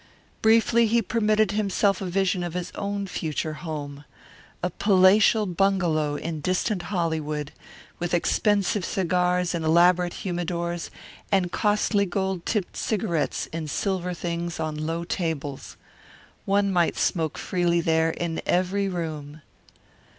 Briefly he permitted himself a vision of his own future home a palatial bungalow in distant Hollywood, with expensive cigars in elaborate humidors and costly gold tipped cigarettes in silver things on low tables. One might smoke freely there in every room.